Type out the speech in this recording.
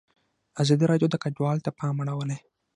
ازادي راډیو د کډوال ته پام اړولی.